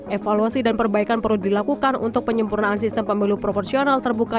evaluasi dan perbaikan perlu dilakukan untuk penyempurnaan sistem pemilu proporsional terbuka